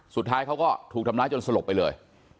สุดท้ายเขาก็ถูกทำร้ายจนสลบไปเลย